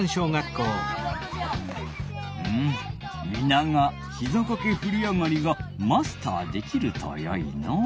うんみながひざかけふりあがりがマスターできるとよいのう。